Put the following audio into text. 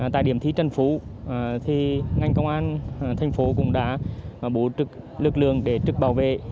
tại điểm thi trần phú thì ngành công an thành phố cũng đã bố trực lực lượng để trực bảo vệ